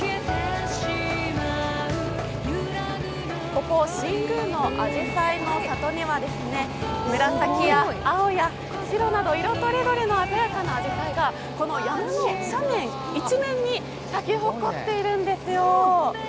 ここ、新宮のあじさいの里には紫や青や白など色とりどりのあじさいがここ山の斜面に咲き誇っているんですよ。